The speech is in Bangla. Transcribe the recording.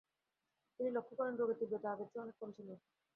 তিনি লক্ষ করেন রোগের তীব্রতা আগের থেকে অনেক কম ছিল ।